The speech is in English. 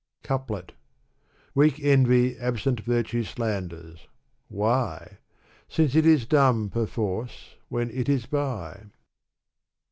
CoupUt Weak envy absent virtue slanders, — Why? Since it is dumb, perforce, when it is by.